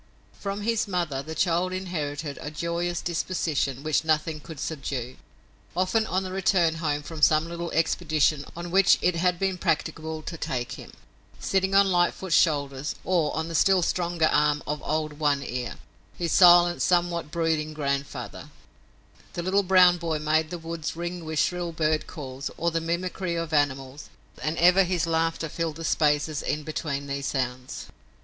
From his mother the child inherited a joyous disposition which nothing could subdue. Often on the return home from some little expedition on which it had been practicable to take him, sitting on Lightfoot's shoulder, or on the still stronger arm of old One Ear, his silent, somewhat brooding grandfather, the little brown boy made the woods ring with shrill bird calls, or the mimicry of animals, and ever his laughter filled the spaces in between these sounds.